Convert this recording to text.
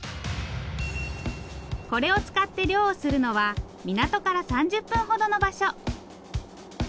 これを使って漁をするのは港から３０分ほどの場所。